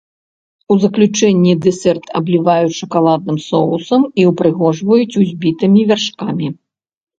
У заключэнне дэсерт абліваюць шакаладным соусам і ўпрыгожваюць узбітымі вяршкамі.